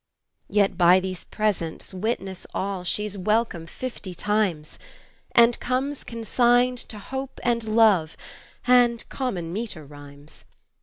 Yet by these presents witness all She's welcome fifty times, And comes consigned to Hope and Love And common meter rhymes.